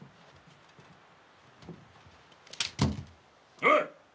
おい！